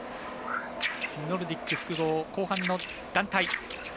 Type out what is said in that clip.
ノルディック複合後半の団体。